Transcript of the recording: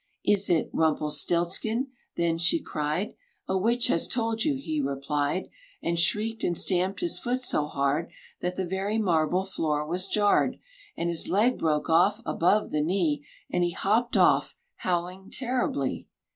"Is it Rumpelstiltskin?" then she cried. "A witch has told you," he replied, And shrieked and stamped his foot so hard That the very marble floor was jarred; And his leg broke off above the knee, And he hopped off, howling terribly.